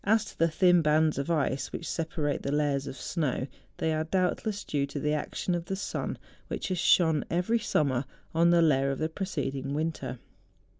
to tlie tliin bands of ice which separate the layers of snow, they are doubtless due to the 'action of the sun, which has shone every summer on the layer of the preceding winter.